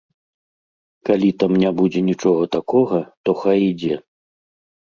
Калі там не будзе нічога такога, то хай ідзе.